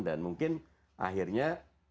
dan mungkin akhirnya